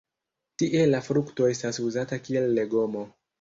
Tie la frukto estas uzata kiel legomo.